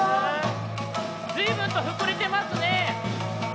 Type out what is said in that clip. ずいぶんとふくれてますね。